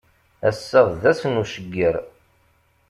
Ass-a d ass n ucegger.